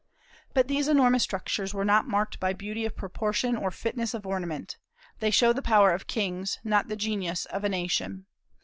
But these enormous structures were not marked by beauty of proportion or fitness of ornament; they show the power of kings, not the genius of a nation.